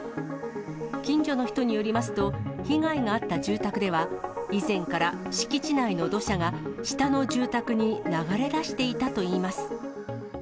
近所の人によりますと、被害があった住宅では以前から敷地内の土砂が下の住宅に流れ出していたといいます。